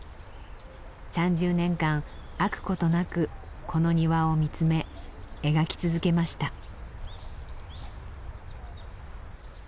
３０年間飽くことなくこの庭を見つめ描き続けました。